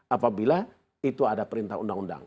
apabila itu ada perintah undang undang